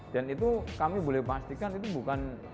dan itu kami boleh pastikan itu bukan jeruk dari china